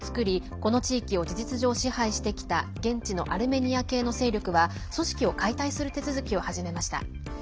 この地域を事実上支配してきた現地のアルメニア系の勢力は組織を解体する手続きを始めました。